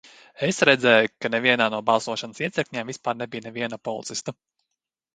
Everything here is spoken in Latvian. Es redzēju, ka nevienā no balsošanas iecirkņiem vispār nebija neviena policista.